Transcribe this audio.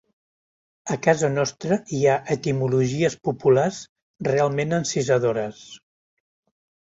A casa nostra hi ha etimologies populars realment encisadores.